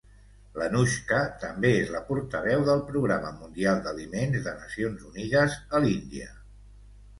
L'Anoushka també és la portaveu del Programa Mundial d'Aliments de Nacions Unides a l'Índia.